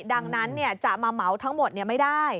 ดังนั้นจะมาเหมาทั้งหมดไม่ได้